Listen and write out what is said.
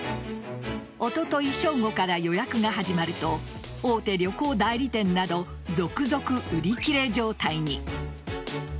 おととい正午から予約が始まると大手旅行代理店など続々売り切れ状態に。